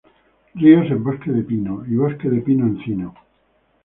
Ríos en bosque de pino y bosque de pino-encino.